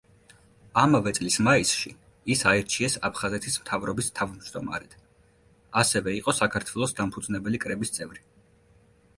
ამავე წლის მაისში ის აირჩიეს აფხაზეთის მთავრობის თავმჯდომარედ, ასევე იყო საქართველოს დამფუძნებელი კრების წევრი.